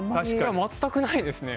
全くないですね。